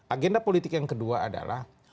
agenda politik yang kedua adalah